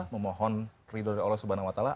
memohon ridulillah subhanahu wa ta'ala